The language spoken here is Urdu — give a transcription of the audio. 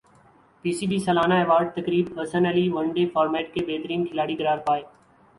پی سی بی سالانہ ایوارڈ تقریب Hasan Ali one day format کے بہترین کھلاڑی قرار پائے